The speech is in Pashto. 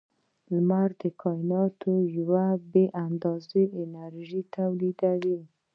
• لمر د کائنات یوه بې اندازې انرژي تولیدوي.